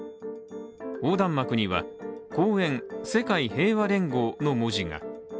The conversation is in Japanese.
横断幕には「後援：世界平和連合」の文字が。